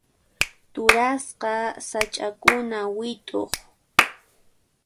Turayqa sach'akuna wit'uq.